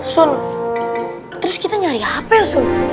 sul terus kita nyari apa ya sul